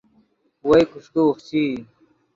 ون کوݰکے اوخچئی